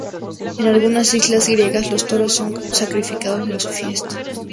En algunas islas griegas, los toros son sacrificados en su fiesta.